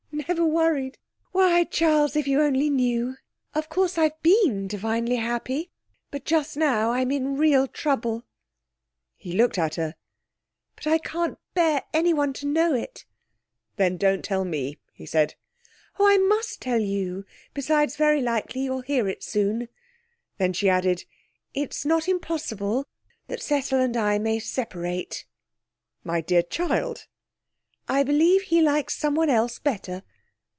'Never worried! Why, Charles, if you only knew of course I've been divinely happy, but just now I'm in real trouble.' He looked at her. 'But I can't bear anyone to know it.' 'Then don't tell me,' he said. 'Oh, I must tell you! Besides, very likely you'll hear it soon.' Then she added,' It's not impossible that Cecil and I may separate.' 'My dear child!' 'I believe he likes someone else better.'